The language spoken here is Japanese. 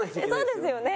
そうですよね。